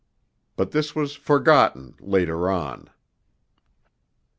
But this was forgotten later on.